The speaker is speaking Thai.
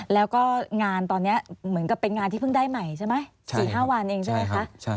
แล้วก็งานตอนนี้เหมือนกับเป็นงานที่เผินได้ใหม่ใช่ไหม